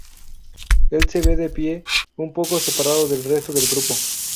Él se ve de pie, un poco separado del resto del grupo.